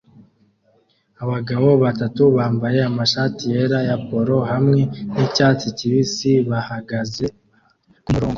Abagabo batatu bambaye amashati yera ya polo hamwe nicyatsi kibisi bahagaze kumurongo